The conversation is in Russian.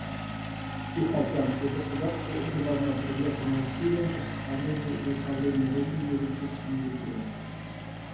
Тихоокеанские государства уже давно привержены усилиям по сохранению и управлению рыбными ресурсами в регионе.